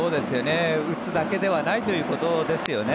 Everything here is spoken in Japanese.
打つだけではないということですよね。